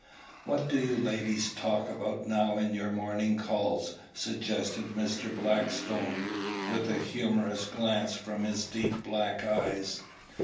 "What do you ladies talk about now in your morning calls?" suggested Mr. Blackstone, with a humorous glance from his deep black eyes.